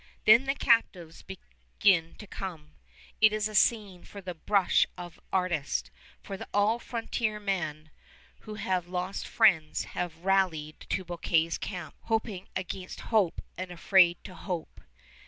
Then the captives begin to come. It is a scene for the brush of artist, for all frontiersmen who have lost friends have rallied to Bouquet's camp, hoping against hope and afraid to hope.